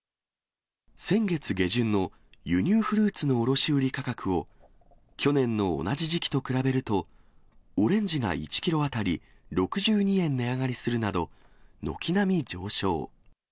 先月下旬の輸入フルーツの卸売り価格を、去年の同じ時期と比べると、オレンジが１キロ当たり６２円値上がりするなど、軒並み上昇。